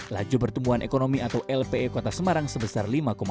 laju pertumbuhan ekonomi atau lpe kota semarang sebesar lima tujuh puluh sembilan